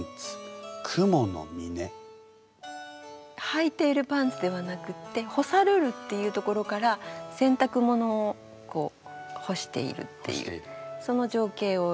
はいているパンツではなくって「干さるる」っていうところから洗濯物を干しているっていうその情景をえがいたんですね。